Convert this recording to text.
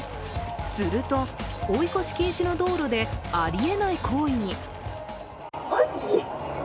すると、追い越し禁止の道路でありえない行為に。